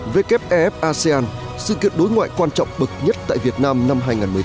wfasean sự kiện đối ngoại quan trọng bực nhất tại việt nam năm hai nghìn một mươi tám